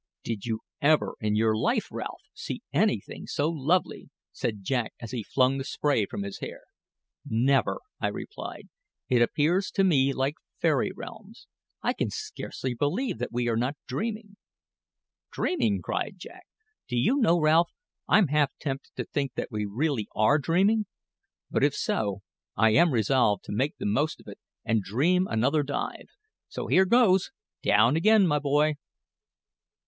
"Did you ever in your life, Ralph, see anything so lovely?" said Jack as he flung the spray from his hair. "Never," I replied. "It appears to me like fairy realms. I can scarcely believe that we are not dreaming." "Dreaming!" cried Jack. "Do you know, Ralph, I'm half tempted to think that we really are dreaming! But if so, I am resolved to make the most of it and dream another dive; so here goes down again, my boy!"